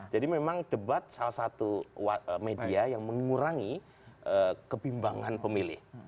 jadi memang debat salah satu media yang mengurangi kebimbangan pemilih